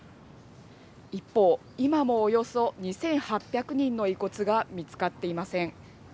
一方、今もおよそ２８００人の遺骨が見つかっていません。